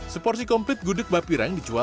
seporsi komplit gudeg mbak pirang dicoba